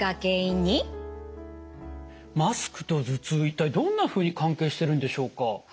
マスクと頭痛一体どんなふうに関係してるんでしょうか？